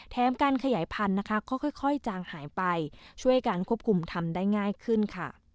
แถมการขยายพันธุ์นะคะก็ค่อยจางหายไปช่วยการควบคุมทำได้ง่ายขึ้นค่ะ